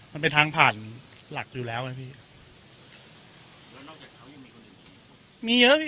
มันเป็นทางผ่านหลักอยู่แล้วนะพี่แล้วนอกจากเขายังมีคนอื่นมีเยอะพี่